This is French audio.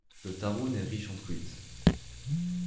Le Tarun est riche en truites.